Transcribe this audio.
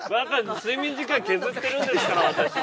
睡眠時間、削ってるんですから私も。